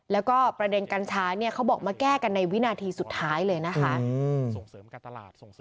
แล้วก็ประเด็นกัญชาเนี่ยเขาบอกมาแก้กันในวินาทีสุดท้ายเลยนะคะ